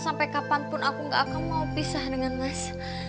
sampai kapanpun aku gak akan mau pisah dengan mas